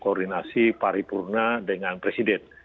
koordinasi paripurna dengan presiden